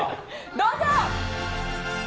どうぞ！